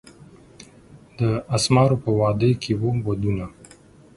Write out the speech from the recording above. د اسمارو په وادي کښي وو ودونه